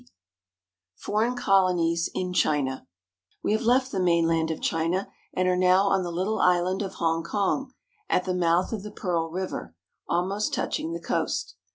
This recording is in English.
23. FOREIGN COLONIES IN CHINA WE have left the mainland of China and are now on the little island of Hongkong, at the mouth of the Pearl River, almost touching the coast.